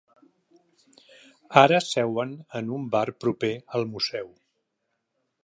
Ara seuen en un bar proper al museu.